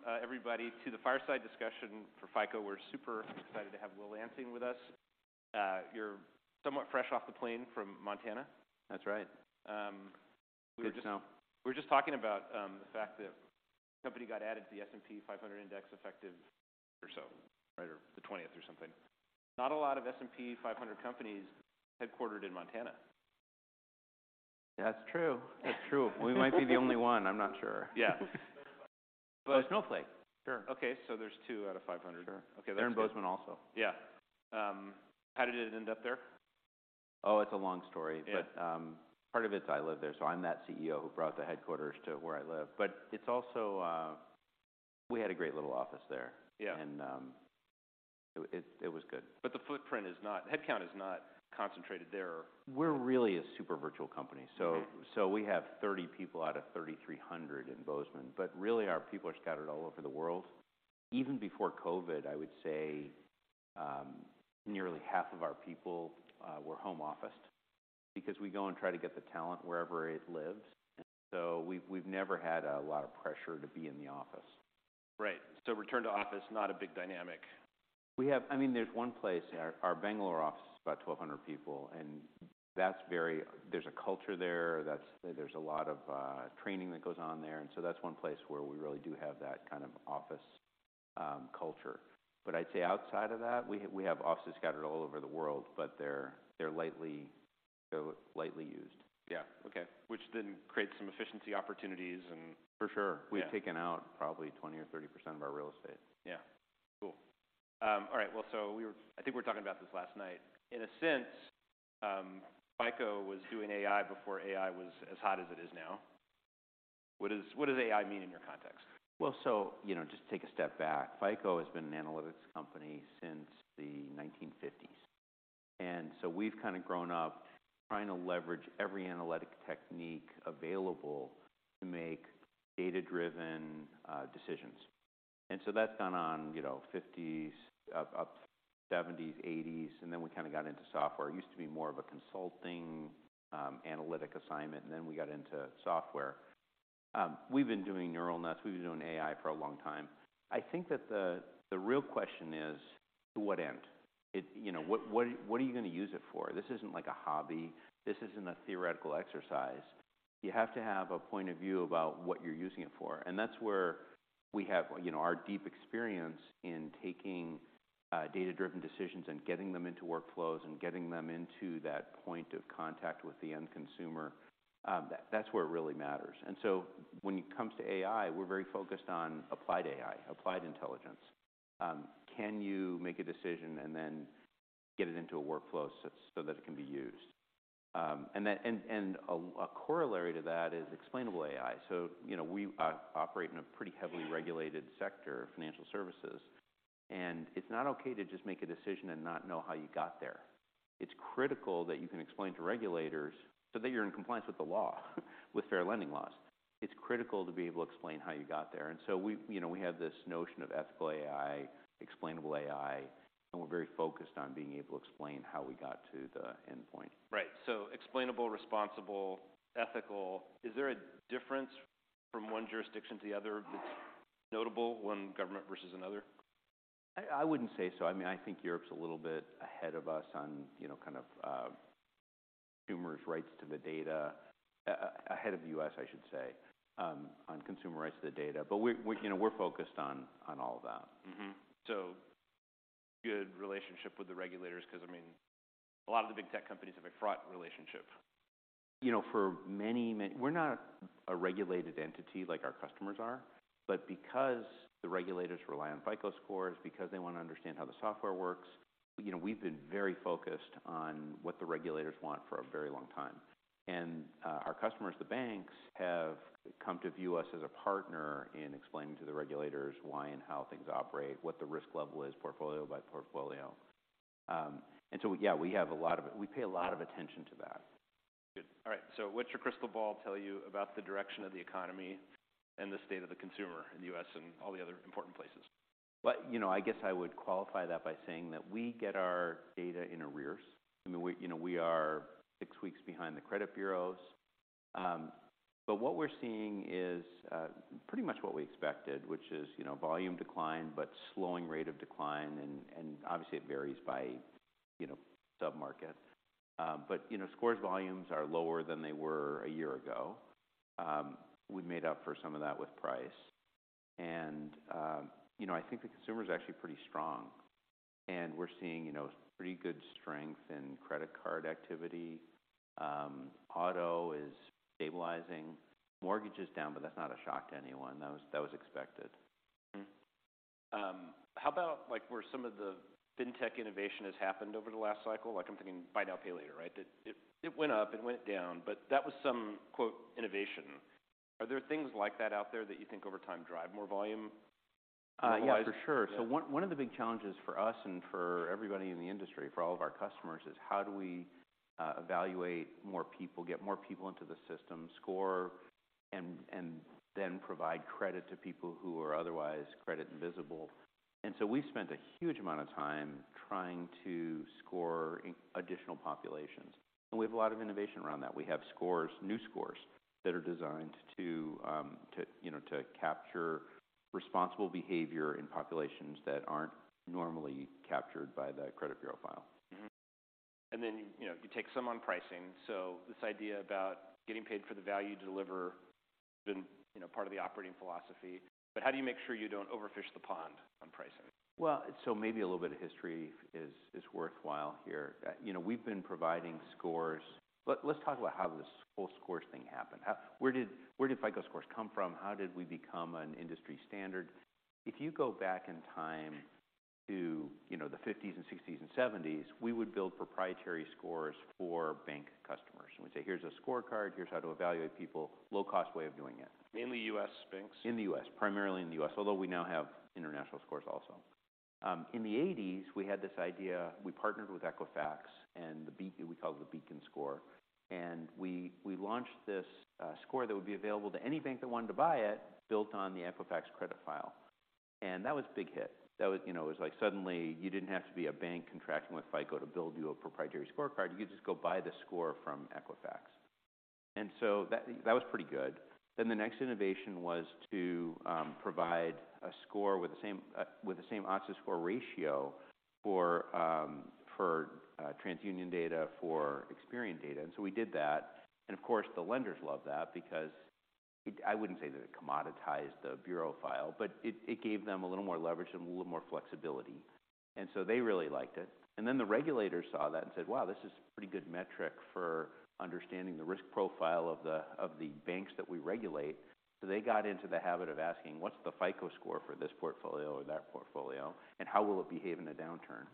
Welcome, everybody to the fireside discussion for FICO. We're super excited to have Will Lansing with us. You're somewhat fresh off the plane from Montana. That's right. we were just- Just now. We were just talking about, the fact that the company got added to the S&P 500 index effective or so, right at the 20th or something. Not a lot of S&P 500 companies headquartered in Montana. That's true. That's true. We might be the only one. I'm not sure. Yeah. Snowflake. Sure. Okay. There's 2 out of 500. Sure. Okay. That's good. They're in Bozeman also. Yeah. How did it end up there? Oh, it's a long story. Yeah. Part of it is I live there, so I'm that CEO who brought the headquarters to where I live. It's also. We had a great little office there. Yeah. It was good. Headcount is not concentrated there. We're really a super virtual company. Okay. We have 30 people out of 3,300 in Bozeman. Really, our people are scattered all over the world. Even before COVID, I would say, nearly half of our people, were home officed because we go and try to get the talent wherever it lives. We've never had a lot of pressure to be in the office. Right. return to office, not a big dynamic. I mean, there's one place. Our Bangalore office is about 1,200 people, and there's a culture there that's a lot of training that goes on there. That's one place where we really do have that kind of office culture. I'd say outside of that, we have offices scattered all over the world, but they're lightly used. Yeah. Okay. Which then creates some efficiency opportunities and... For sure. Yeah. We've taken out probably 20% or 30% of our real estate. Yeah. Cool. All right. Well, I think we're talking about this last night. In a sense, FICO was doing AI before AI was as hot as it is now. What is, what does AI mean in your context? You know, just take a step back. FICO has been an analytics company since the 1950s. We've kinda grown up trying to leverage every analytic technique available to make data-driven decisions. That's gone on, you know, 50s up to 70s, 80s, and then we kinda got into software. It used to be more of a consulting analytic assignment, and then we got into software. We've been doing neural nets, we've been doing AI for a long time. I think that the real question is, to what end? You know, what are you gonna use it for? This isn't like a hobby. This isn't a theoretical exercise. You have to have a point of view about what you're using it for. That's where we have, you know, our deep experience in taking data-driven decisions and getting them into workflows and getting them into that point of contact with the end consumer. That's where it really matters. When it comes to AI, we're very focused on applied AI, applied intelligence. Can you make a decision and then get it into a workflow so that it can be used? Then, a corollary to that is explainable AI. You know, we operate in a pretty heavily regulated sector, financial services, and it's not okay to just make a decision and not know how you got there. It's critical that you can explain to regulators so that you're in compliance with the law, with fair lending laws. It's critical to be able to explain how you got there. We, you know, we have this notion of ethical AI, explainable AI, and we're very focused on being able to explain how we got to the endpoint. Right. Explainable, responsible, ethical. Is there a difference from one jurisdiction to the other that's notable when government versus another? I wouldn't say so. I mean, I think Europe's a little bit ahead of us on, you know, kind of enumerated rights to the data, ahead of the U.S., I should say, on consumer rights to the data. We, you know, we're focused on all of that. Mm-hmm. Good relationship with the regulators 'cause I mean, a lot of the big tech companies have a fraught relationship. You know, for many, we're not a regulated entity like our customers are. Because the regulators rely on FICO Scores, because they wanna understand how the software works, you know, we've been very focused on what the regulators want for a very long time. Our customers, the banks, have come to view us as a partner in explaining to the regulators why and how things operate, what the risk level is, portfolio by portfolio. Yeah, we have a lot of it. We pay a lot of attention to that. Good. All right. What's your crystal ball tell you about the direction of the economy and the state of the consumer in the U.S. and all the other important places? Well, you know, I guess I would qualify that by saying that we get our data in arrears. I mean, we, you know, we are six weeks behind the credit bureaus. What we're seeing is pretty much what we expected, which is, you know, volume decline, but slowing rate of decline and obviously it varies by, you know, sub-market. Scores volumes are lower than they were a year ago. We made up for some of that with price. I think the consumer is actually pretty strong, and we're seeing, you know, pretty good strength in credit card activity. Auto is stabilizing. Mortgage is down, but that's not a shock to anyone. That was expected. How about, like, where some of the fintech innovation has happened over the last cycle? I'm thinking buy now, pay later, right? It went up, it went down, that was some, quote, innovation. Are there things like that out there that you think over time drive more volume-wise? Yeah, for sure. Yeah. One of the big challenges for us and for everybody in the industry, for all of our customers, is how do we evaluate more people, get more people into the system, score, and then provide credit to people who are otherwise credit invisible? We've spent a huge amount of time trying to score additional populations. We have a lot of innovation around that. We have scores, new scores that are designed to, you know, to capture responsible behavior in populations that aren't normally captured by the credit bureau file. Mm-hmm. Then, you know, you take some on pricing. This idea about getting paid for the value you deliver been, you know, part of the operating philosophy. How do you make sure you don't overfish the pond on pricing? Maybe a little bit of history is worthwhile here. You know, we've been providing scores. Let's talk about how this whole scores thing happened. Where did FICO Scores come from? How did we become an industry standard? If you go back in time to, you know, the fifties and sixties and seventies, we would build proprietary scores for bank customers, and we'd say, "Here's a scorecard. Here's how to evaluate people." Low cost way of doing it. Mainly U.S. banks? In the U.S., primarily in the U.S., although we now have international scores also. In the eighties, we had this idea, we partnered with Equifax, and we called it the BEACON Score. We launched this score that would be available to any bank that wanted to buy it, built on the Equifax credit file. That was a big hit. That was, you know, it was like suddenly you didn't have to be a bank contracting with FICO to build you a proprietary scorecard. You could just go buy the score from Equifax. So that was pretty good. Then the next innovation was to provide a score with the same odds to score ratio for TransUnion data, for Experian data. We did that, and of course, the lenders loved that because it... I wouldn't say that it commoditized the bureau file, but it gave them a little more leverage and a little more flexibility. They really liked it. The regulators saw that and said, "Wow, this is a pretty good metric for understanding the risk profile of the banks that we regulate." They got into the habit of asking, "What's the FICO Score for this portfolio or that portfolio, and how will it behave in a downturn?"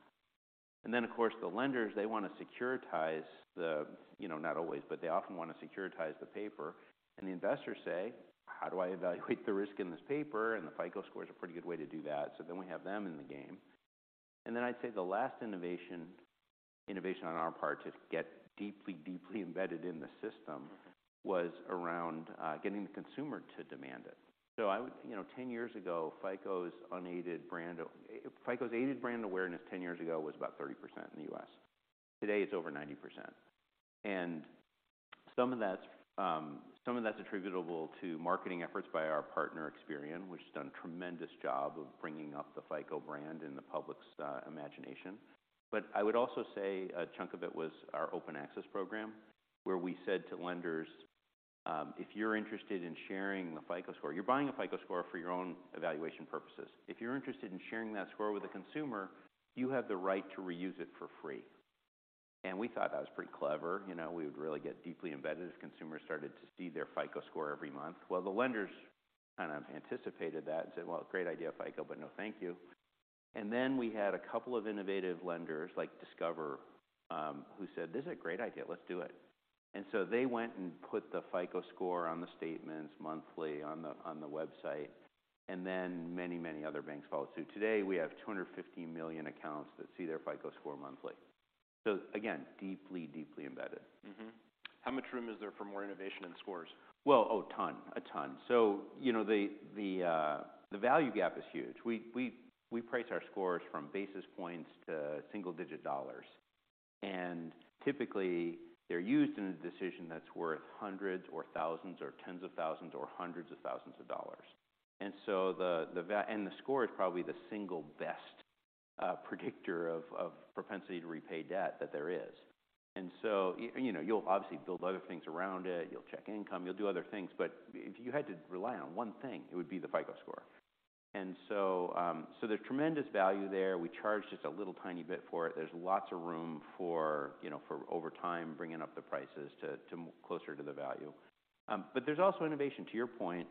Of course, the lenders, they wanna securitize the, you know, not always, but they often wanna securitize the paper. The investors say, "How do I evaluate the risk in this paper?" The FICO Score is a pretty good way to do that. We have them in the game. I'd say the last innovation on our part to get deeply embedded in the system. Mm-hmm was around getting the consumer to demand it. you know, 10 years ago, FICO's unaided brand FICO's aided brand awareness 10 years ago was about 30% in the U.S. Today, it's over 90%. Some of that's attributable to marketing efforts by our partner, Experian, which has done a tremendous job of bringing up the FICO brand in the public's imagination. I would also say a chunk of it was our open access program, where we said to lenders, "If you're interested in sharing the FICO Score, you're buying a FICO Score for your own evaluation purposes. If you're interested in sharing that Score with a consumer, you have the right to reuse it for free." We thought that was pretty clever. You know, we would really get deeply embedded if consumers started to see their FICO Score every month. The lenders kind of anticipated that and said, "Well, great idea, FICO, but no thank you." Then we had a couple of innovative lenders, like Discover, who said, "This is a great idea. Let's do it." They went and put the FICO Score on the statements monthly on the, on the website, then many, many other banks followed suit. Today, we have 250 million accounts that see their FICO Score monthly. Again, deeply embedded. Mm-hmm. How much room is there for more innovation in scores? A ton. A ton. You know, the value gap is huge. We price our scores from basis points to single digit dollars, typically, they're used in a decision that's worth hundreds or thousands or tens of thousands or hundreds of thousands of dollars. The score is probably the single best predictor of propensity to repay debt that there is. You know, you'll obviously build other things around it. You'll check income. You'll do other things. If you had to rely on one thing, it would be the FICO Score. There's tremendous value there. We charge just a little tiny bit for it. There's lots of room for, you know, for over time bringing up the prices to closer to the value. There's also innovation. To your point,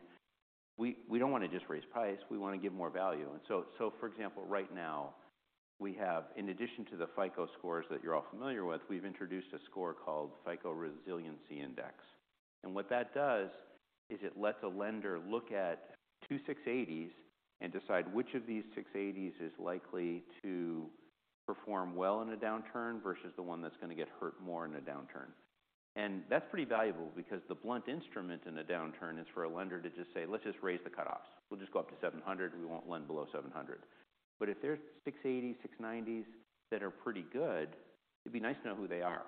we don't wanna just raise price, we wanna give more value. For example, right now, we have, in addition to the FICO Scores that you're all familiar with, we've introduced a score called FICO Resilience Index. What that does is it lets a lender look at two 680s and decide which of these 680s is likely to perform well in a downturn versus the one that's gonna get hurt more in a downturn. That's pretty valuable because the blunt instrument in a downturn is for a lender to just say, "Let's just raise the cutoffs. We'll just go up to 700. We won't lend below 700." If there's 680, 690 that are pretty good, it'd be nice to know who they are.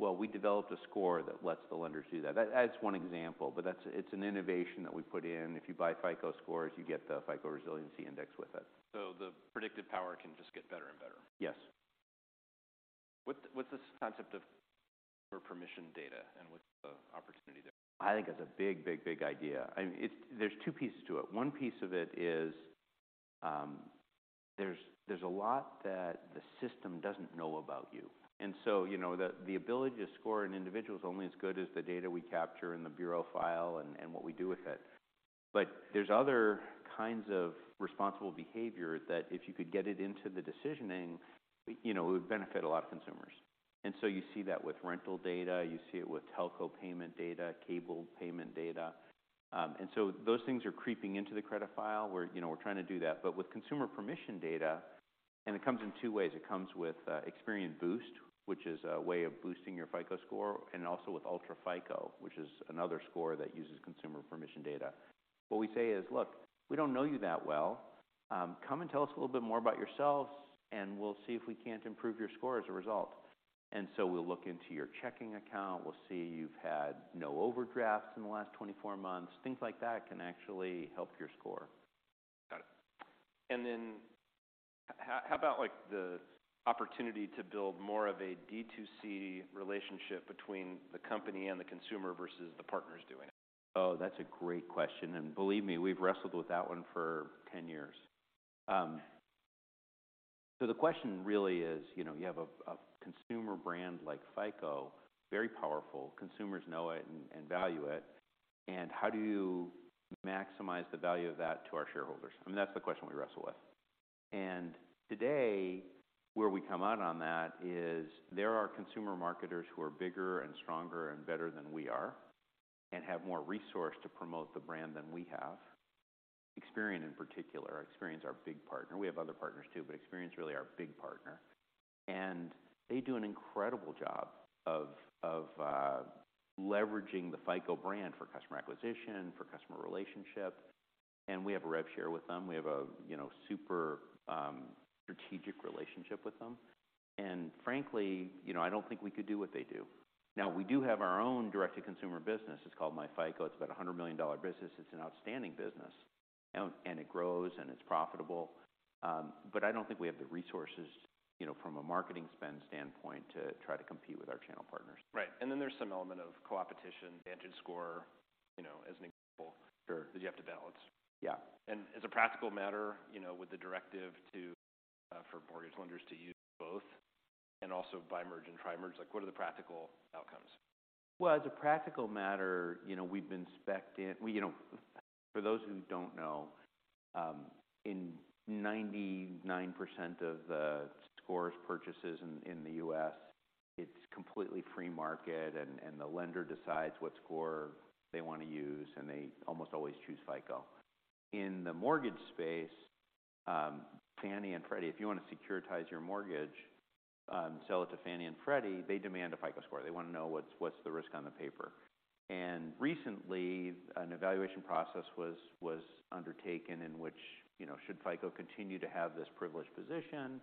We developed a score that lets the lenders do that. That's one example, but it's an innovation that we put in. If you buy FICO Scores, you get the FICO Resilience Index with it. The predictive power can just get better and better. Yes. What's this concept of for permission data, and what's the opportunity there? I think that's a big, big, big idea. I mean, there's two pieces to it. One piece of it is, there's a lot that the system doesn't know about you. You know, the ability to score an individual is only as good as the data we capture in the bureau file and what we do with it. There's other kinds of responsible behavior that if you could get it into the decisioning, you know, it would benefit a lot of consumers. You see that with rental data, you see it with telco payment data, cable payment data. Those things are creeping into the credit file. You know, we're trying to do that. With consumer permissioned data. It comes in two ways. It comes with Experian Boost, which is a way of boosting your FICO Score, and also with UltraFICO, which is another score that uses consumer permissioned data. What we say is, "Look, we don't know you that well. Come and tell us a little bit more about yourself, and we'll see if we can't improve your score as a result." We'll look into your checking account. We'll see you've had no overdrafts in the last 24 months. Things like that can actually help your score. Got it. Then how about like the opportunity to build more of a D2C relationship between the company and the consumer versus the partners doing it? That's a great question, and believe me, we've wrestled with that one for 10 years. The question really is, you know, you have a consumer brand like FICO, very powerful. Consumers know it and value it, and how do you maximize the value of that to our shareholders? I mean, that's the question we wrestle with. Today, where we come out on that is there are consumer marketers who are bigger and stronger and better than we are, and have more resource to promote the brand than we have. Experian in particular. Experian's our big partner. We have other partners too, but Experian's really our big partner. They do an incredible job of leveraging the FICO brand for customer acquisition, for customer relationship, and we have a rev share with them. We have a, you know, super strategic relationship with them. Frankly, you know, I don't think we could do what they do. Now, we do have our own direct-to-consumer business. It's called myFICO. It's about a $100 million business. It's an outstanding business, you know, and it grows, and it's profitable. I don't think we have the resources, you know, from a marketing spend standpoint to try to compete with our channel partners. Right. Then there's some element of coopetition, VantageScore, you know, as an example- Sure that you have to balance. Yeah. as a practical matter, you know, with the directive to for mortgage lenders to use both and also bi-merge and tri-merge, like what are the practical outcomes? Well, as a practical matter, you know, we've been spec'd in. For those who don't know, in 99% of the scores purchases in the U.S., it's completely free market and the lender decides what score they wanna use, and they almost always choose FICO. In the mortgage space, Fannie and Freddie, if you wanna securitize your mortgage, sell it to Fannie and Freddie, they demand a FICO Score. They wanna know what's the risk on the paper. Recently, an evaluation process was undertaken in which, you know, should FICO continue to have this privileged position?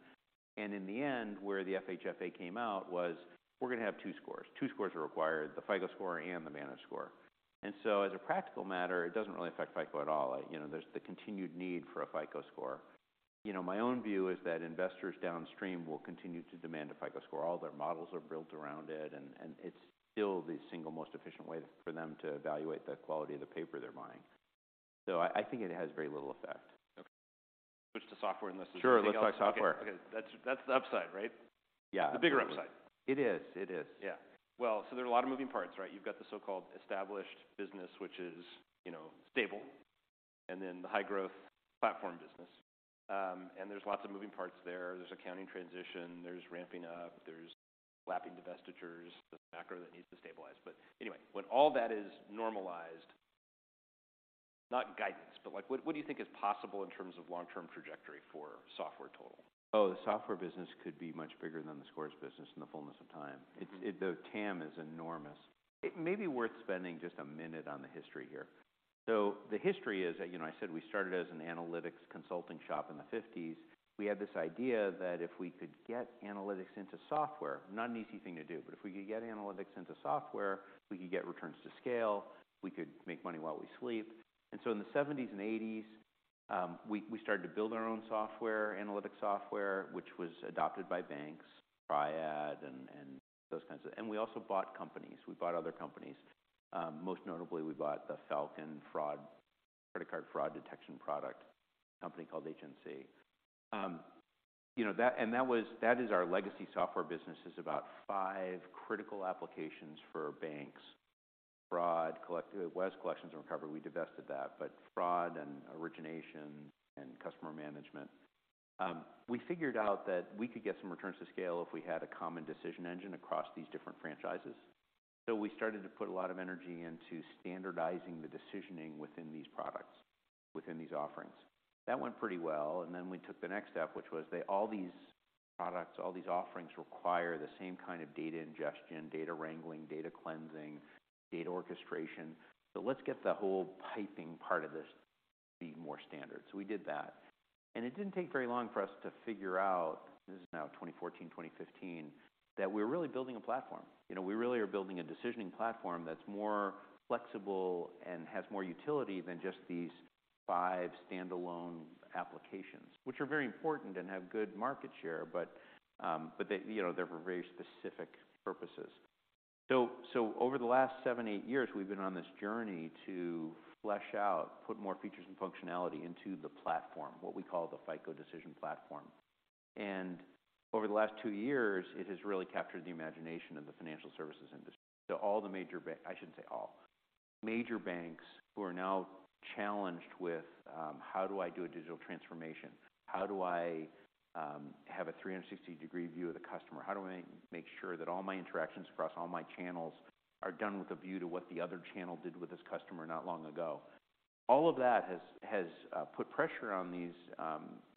In the end, where the FHFA came out was, we're gonna have 2 scores. Two scores are required, the FICO Score and the VantageScore. As a practical matter, it doesn't really affect FICO at all. You know, there's the continued need for a FICO Score. You know, my own view is that investors downstream will continue to demand a FICO Score. All their models are built around it, and it's still the single most efficient way for them to evaluate the quality of the paper they're buying. I think it has very little effect. Okay. Switch to software. Sure. Let's talk software. Okay. That's the upside, right? Yeah. The bigger upside. It is. It is. Yeah. Well, there are a lot of moving parts, right? You've got the so-called established business, which is, you know, stable, and then the high growth platform business. There's lots of moving parts there. There's accounting transition, there's ramping up, there's lapping divestitures, the macro that needs to stabilize. Anyway, when all that is normalized, not in guidance, but like what do you think is possible in terms of long-term trajectory for software total? The software business could be much bigger than the scores business in the fullness of time. It The TAM is enormous. It may be worth spending just a minute on the history here. The history is that, you know, I said we started as an analytics consulting shop in the 1950s. We had this idea that if we could get analytics into software, not an easy thing to do, but if we could get analytics into software, we could get returns to scale, we could make money while we sleep. In the 1970s and 1980s, we started to build our own software, analytic software, which was adopted by banks, TRIAD and those kinds of... We also bought companies. We bought other companies. Most notably, we bought the Falcon Fraud, credit card fraud detection product, a company called HNC. you know, that is our legacy software business, is about five critical applications for banks. Fraud, It was collections and recovery. We divested that. Fraud and origination and customer management. We figured out that we could get some returns to scale if we had a common decision engine across these different franchises. We started to put a lot of energy into standardizing the decisioning within these products, within these offerings. That went pretty well, and then we took the next step, which was all these products, all these offerings require the same kind of data ingestion, data wrangling, data cleansing, data orchestration. Let's get the whole piping part of this to be more standard. We did that. It didn't take very long for us to figure out, this is now 2014, 2015, that we're really building a platform. You know, we really are building a decisioning platform that's more flexible and has more utility than just these five standalone applications, which are very important and have good market share, but they, you know, they're for very specific purposes. Over the last 7, 8 years, we've been on this journey to flesh out, put more features and functionality into the platform, what we call the FICO Decision Platform. Over the last 2 years, it has really captured the imagination of the financial services industry. All the major, I shouldn't say all. Major banks who are now challenged with, how do I do a digital transformation? How do I have a 360 degree view of the customer? How do I make sure that all my interactions across all my channels are done with a view to what the other channel did with this customer not long ago? All of that has put pressure on these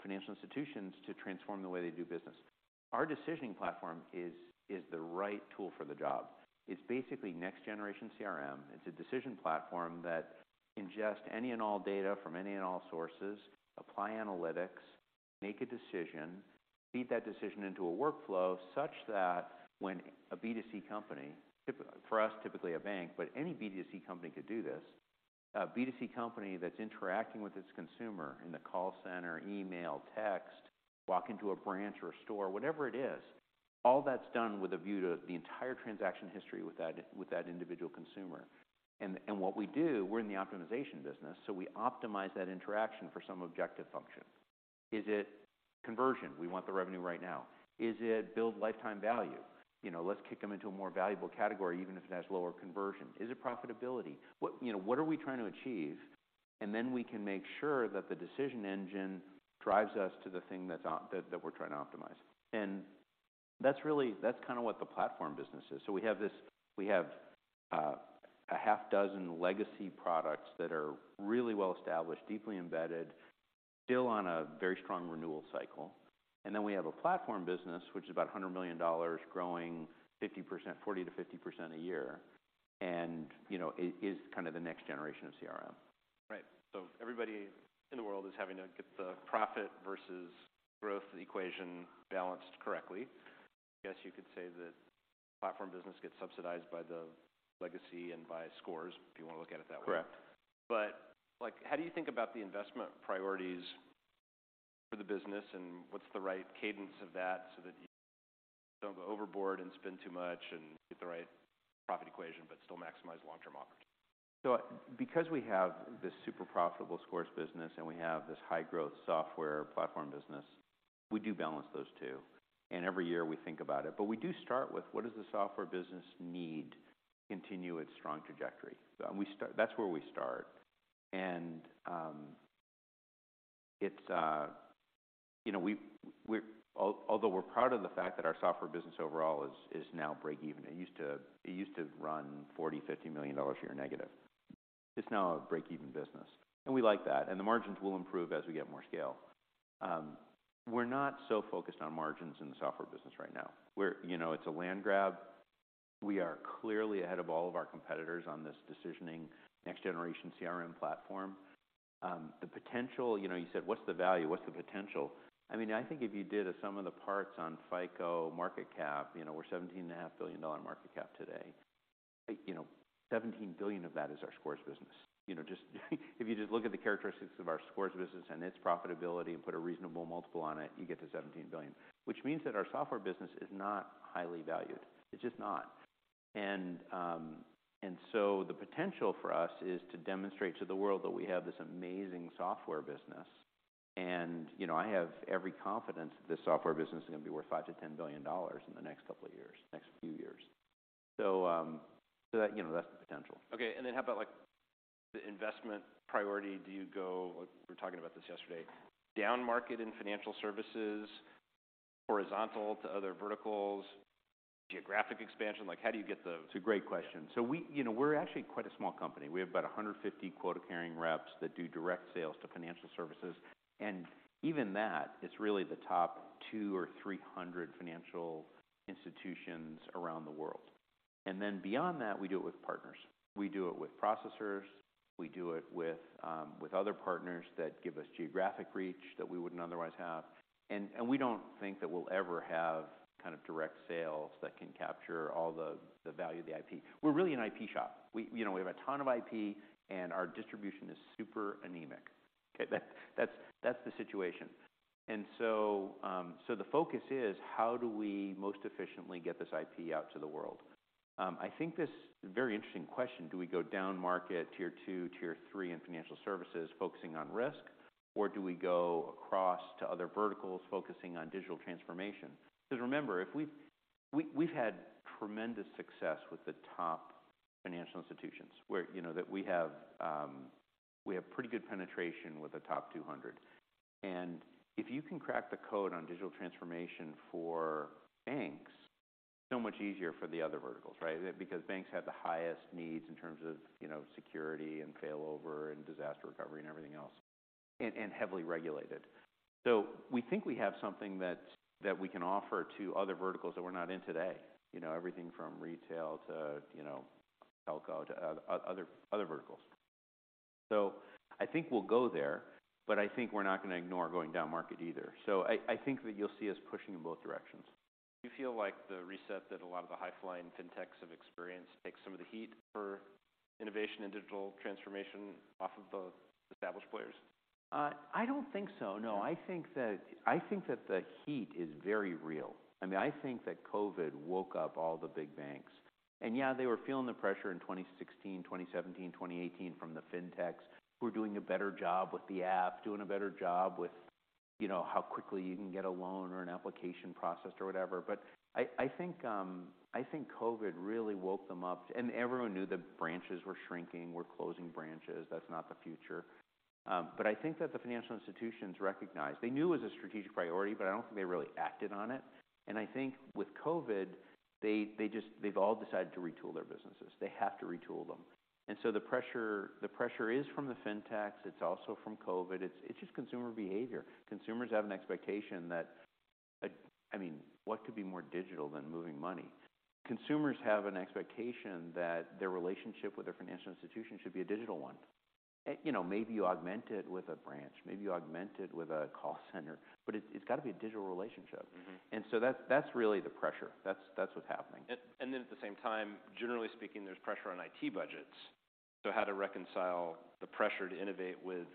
financial institutions to transform the way they do business. Our decisioning platform is the right tool for the job. It's basically next generation CRM. It's a decision platform that ingest any and all data from any and all sources, apply analytics, make a decision, feed that decision into a workflow such that when a B2C company, for us, typically a bank, but any B2C company could do this. A B2C company that's interacting with its consumer in the call center, email, text, walk into a branch or a store, whatever it is, all that's done with a view to the entire transaction history with that individual consumer. What we do, we're in the optimization business, we optimize that interaction for some objective function. Is it conversion? We want the revenue right now. Is it build lifetime value? You know, let's kick them into a more valuable category, even if it has lower conversion. Is it profitability? You know, what are we trying to achieve? Then we can make sure that the decision engine drives us to the thing that's that we're trying to optimize. That's kinda what the platform business is. We have this... We have, a half dozen legacy products that are really well established, deeply embedded, still on a very strong renewal cycle. We have a platform business, which is about $100 million growing 50%, 40%-50% a year. You know, it is kinda the next generation of CRM. Right. Everybody in the world is having to get the profit versus growth equation balanced correctly. I guess you could say the platform business gets subsidized by the legacy and by scores, if you wanna look at it that way. Correct. Like, how do you think about the investment priorities for the business and what's the right cadence of that so that you don't go overboard and spend too much and get the right profit equation, but still maximize long-term opportunities? Because we have this super profitable scores business and we have this high growth software platform business, we do balance those two. Every year we think about it. We do start with what does the software business need to continue its strong trajectory? That's where we start. Although we're proud of the fact that our software business overall is now break even. It used to run $40 million-$50 million a year negative. It's now a break even business, and we like that. The margins will improve as we get more scale. We're not so focused on margins in the software business right now. You know, it's a land grab. We are clearly ahead of all of our competitors on this decisioning next generation CRM platform. The potential, you know, You said, "What's the value? What's the potential?" I mean, I think if you did a sum of the parts on FICO market cap, you know, we're $17.5 billion market cap today. You know, $17 billion of that is our scores business. You know, just if you look at the characteristics of our scores business and its profitability and put a reasonable multiple on it, you get to $17 billion. Which means that our software business is not highly valued. It's just not. The potential for us is to demonstrate to the world that we have this amazing software business, and, you know, I have every confidence that this software business is gonna be worth $5 billion-$10 billion in the next couple of years, next few years. So that, you know, that's the potential. Okay, how about, like, the investment priority? Do you go, like we were talking about this yesterday, down market in financial services, horizontal to other verticals, geographic expansion? Like, how do you get? It's a great question. We, you know, we're actually quite a small company. We have about 150 quota-carrying reps that do direct sales to financial services. Even that, it's really the top 200 or 300 financial institutions around the world. Then beyond that, we do it with partners. We do it with processors, we do it with other partners that give us geographic reach that we wouldn't otherwise have. We don't think that we'll ever have kind of direct sales that can capture all the value of the IP. We're really an IP shop. We, you know, we have a ton of IP, and our distribution is super anemic. Okay. That's the situation. The focus is how do we most efficiently get this IP out to the world? I think this very interesting question, do we go down market tier two, tier three in financial services, focusing on risk, or do we go across to other verticals, focusing on digital transformation? Remember, if we've had tremendous success with the top financial institutions where, you know, that we have pretty good penetration with the top 200. If you can crack the code on digital transformation for banks, so much easier for the other verticals, right? Because banks have the highest needs in terms of, you know, security and failover and disaster recovery and everything else, and heavily regulated. We think we have something that we can offer to other verticals that we're not in today. You know, everything from retail to, you know, telco to other verticals. I think we'll go there, but I think we're not gonna ignore going down market either. I think that you'll see us pushing in both directions. Do you feel like the reset that a lot of the high-flying fintechs have experienced takes some of the heat for innovation and digital transformation off of the established players? I don't think so, no. I think that the heat is very real. I mean, I think that COVID woke up all the big banks. Yeah, they were feeling the pressure in 2016, 2017, 2018 from the fintechs who are doing a better job with the app, doing a better job with, you know, how quickly you can get a loan or an application processed or whatever. I think COVID really woke them up. Everyone knew the branches were shrinking. We're closing branches. That's not the future. I think that the financial institutions recognize. They knew it was a strategic priority, but I don't think they really acted on it. I think with COVID, they've all decided to retool their businesses. They have to retool them. The pressure is from the fintechs, it's also from COVID. It's just consumer behavior. Consumers have an expectation that, I mean, what could be more digital than moving money? Consumers have an expectation that their relationship with their financial institution should be a digital one, you know, maybe you augment it with a branch, maybe you augment it with a call center, but it's gotta be a digital relationship. Mm-hmm. That's really the pressure. That's what's happening. At the same time, generally speaking, there's pressure on IT budgets. How to reconcile the pressure to innovate with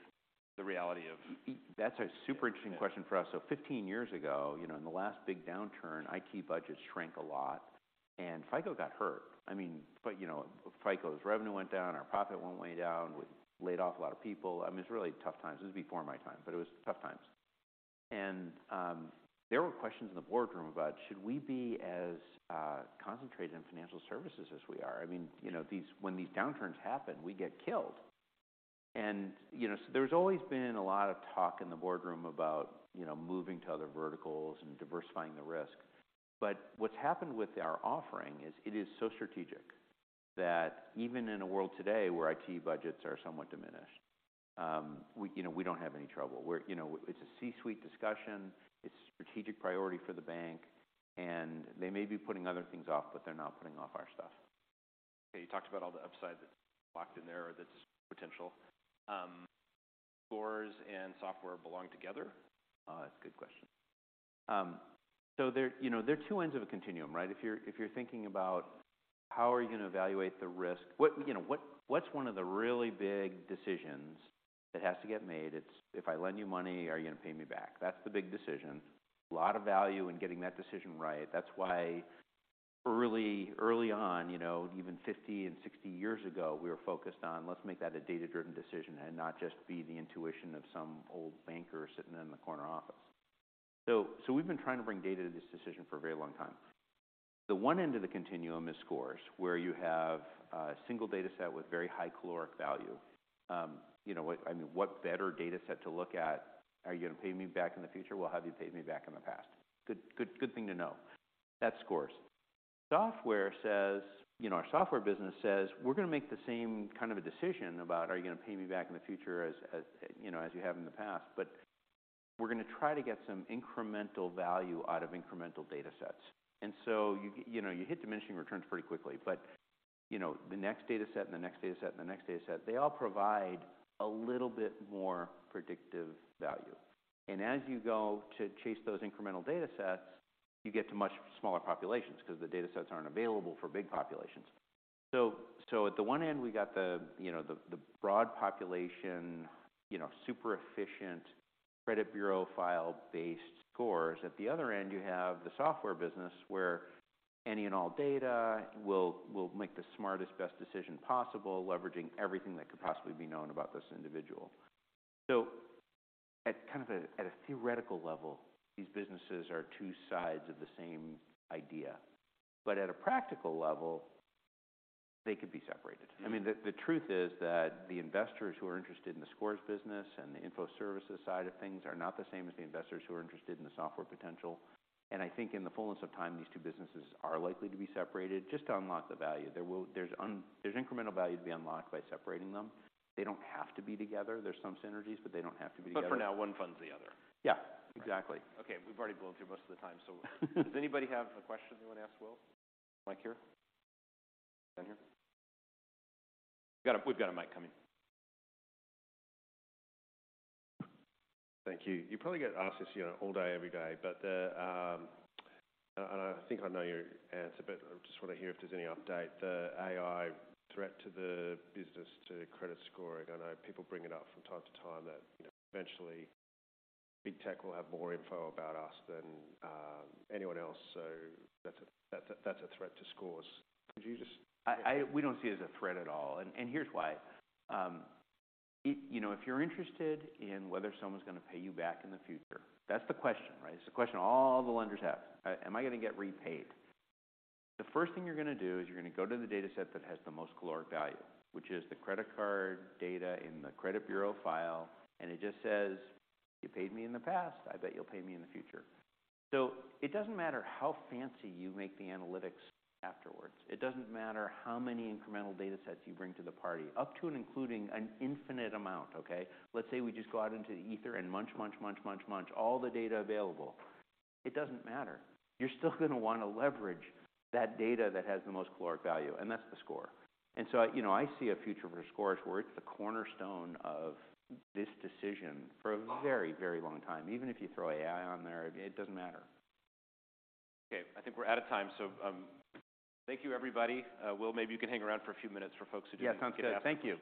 the reality of. That's a super interesting question for us. 15 years ago, you know, in the last big downturn, IT budgets shrank a lot, and FICO got hurt. I mean, but, you know, FICO's revenue went down, our profit went way down. We laid off a lot of people. I mean, it was really tough times. This was before my time, but it was tough times. There were questions in the boardroom about, "Should we be as concentrated in financial services as we are? I mean, you know, when these downturns happen, we get killed?" You know, there's always been a lot of talk in the boardroom about, you know, moving to other verticals and diversifying the risk. What's happened with our offering is it is so strategic that even in a world today where IT budgets are somewhat diminished, we, you know, we don't have any trouble. We're, you know. It's a C-suite discussion. It's a strategic priority for the bank, and they may be putting other things off, but they're not putting off our stuff. Okay, you talked about all the upside that's locked in there or that's potential. Scores and software belong together? That's a good question. They're, you know, they're two ends of a continuum, right? If you're, if you're thinking about how are you gonna evaluate the risk, what, you know, what's one of the really big decisions that has to get made? It's if I lend you money, are you gonna pay me back? That's the big decision. A lot of value in getting that decision right. That's why early on, you know, even 50 and 60 years ago, we were focused on let's make that a data-driven decision and not just be the intuition of some old banker sitting in the corner office. We've been trying to bring data to this decision for a very long time. The one end of the continuum is scores, where you have a single dataset with very high caloric value. You know what, I mean, what better dataset to look at? Are you gonna pay me back in the future? Well, have you paid me back in the past? Good, good thing to know. That's scores. Software says, you know, our software business says, "We're gonna make the same kind of a decision about are you gonna pay me back in the future as, you know, as you have in the past, but we're gonna try to get some incremental value out of incremental datasets." You know, you hit diminishing returns pretty quickly, but, you know, the next dataset and the next dataset and the next dataset, they all provide a little bit more predictive value. As you go to chase those incremental datasets, you get to much smaller populations 'cause the datasets aren't available for big populations. At the one end, we got the, you know, the broad population, you know, super efficient credit bureau file-based scores. At the other end, you have the software business where any and all data will make the smartest, best decision possible, leveraging everything that could possibly be known about this individual. At kind of a, at a theoretical level, these businesses are two sides of the same idea. At a practical level, they could be separated. Mm-hmm. I mean, the truth is that the investors who are interested in the scores business and the info services side of things are not the same as the investors who are interested in the software potential. I think in the fullness of time, these two businesses are likely to be separated just to unlock the value. There's incremental value to be unlocked by separating them. They don't have to be together. There's some synergies, but they don't have to be together. For now, one funds the other. Yeah, exactly. Okay, we've already blown through most of the time. Does anybody have a question they wanna ask Will? Mic here. Down here. We've got a mic coming. Thank you. You probably get asked this, you know, all day, every day, but I think I know your answer, but I just wanna hear if there's any update. The AI threat to the business to credit scoring. I know people bring it up from time to time that, you know, eventually big tech will have more info about us than anyone else. That's a threat to scores. Could you just? I. We don't see it as a threat at all, and here's why. You know, if you're interested in whether someone's gonna pay you back in the future, that's the question, right? It's the question all the lenders have. Am I gonna get repaid? The first thing you're gonna do is you're gonna go to the dataset that has the most caloric value, which is the credit card data in the credit bureau file, and it just says, "You paid me in the past. I bet you'll pay me in the future." It doesn't matter how fancy you make the analytics afterwards. It doesn't matter how many incremental datasets you bring to the party, up to and including an infinite amount, okay? Let's say we just go out into the ether and munch, munch, munch all the data available. It doesn't matter. You're still gonna wanna leverage that data that has the most caloric value, and that's the score. You know, I see a future for scores where it's the cornerstone of this decision for a very, very long time. Even if you throw AI on there, it doesn't matter. Okay, I think we're out of time, so, thank you everybody. Will, maybe you can hang around for a few minutes for folks who. Yeah, sounds good. Thank you.